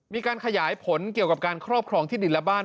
มีการขยายผลเกี่ยวกับการครอบครองที่ดินและบ้าน